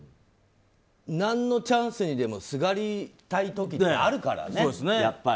何のチャンスにでもすがりたい時ってあるからね。